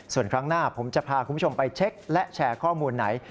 ส่วนครั้งหน้าผมจะพาคุณผู้ชมไปเช็คและแชร์ข้อมูลไหน